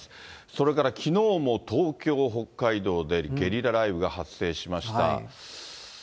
それからきのうも東京、北海道で、ゲリラ雷雨が発生しました。